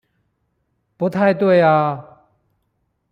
不太對啊！